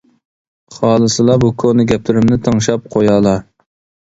خالىسىلا بۇ كونا گەپلىرىمنى تىڭشاپ قويالا.